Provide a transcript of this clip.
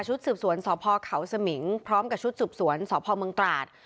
สืบสวนสพเขาสมิงพร้อมกับชุดสืบสวนสพเมืองตราด